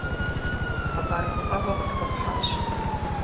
Хъыбар гуфӀэгъуэ къытхуэпхьащ.